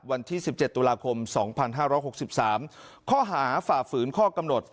วันที่๑๗ตุลาคม๒๕๖๓ข้อหาฝ่าฝืนข้อกำหนด